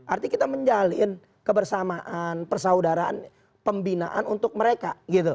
artinya kita menjalin kebersamaan persaudaraan pembinaan untuk mereka